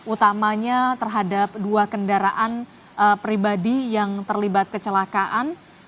utamanya terhadap dua kendaraan pribadi yang terlibat kecelakaan